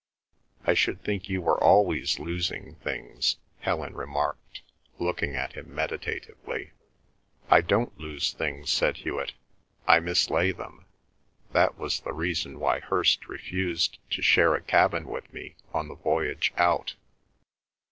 "I should think you were always losing things," Helen remarked, looking at him meditatively. "I don't lose things," said Hewet. "I mislay them. That was the reason why Hirst refused to share a cabin with me on the voyage out."